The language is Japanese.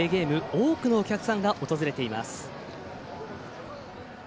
多くのお客さんが訪れています。